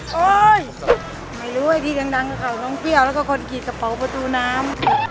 เค้าไม่รู้อย่างดีดังกับข่าวนองเปรี้ยวแล์คนกีฆปาวประตูน้ำ